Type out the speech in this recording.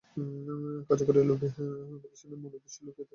কার্যকরী লোগোয় প্রতিষ্ঠানের মূল উদ্দেশ্য লুকিয়ে থাকে।